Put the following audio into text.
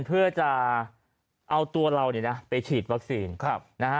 เพื่อจะเอาตัวเราไปฉีดวัคซีน